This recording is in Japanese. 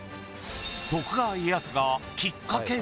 徳川家康がきっかけ？